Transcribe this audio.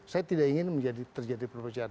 saya tidak ingin terjadi perusahaan